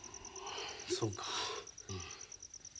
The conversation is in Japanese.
そうか。